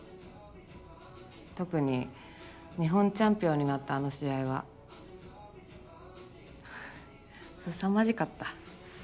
特に日本チャンピオンになったあの試合はすさまじかった。